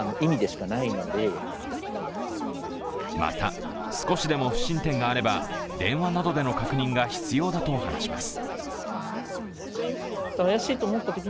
また、少しでも不審点があれば電話などでの確認が必要だったと話します。